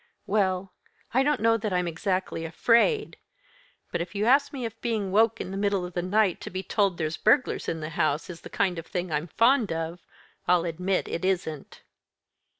"Well I don't know that I am exactly afraid, but if you ask me if being woke in the middle of the night, to be told there's burglars in the house, is the kind of thing I'm fond of, I'll admit it isn't."